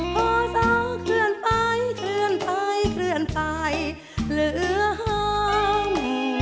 พอสอเคลื่อนไปเคลื่อนไปเคลื่อนไปเหลือห้าม